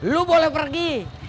lo boleh pergi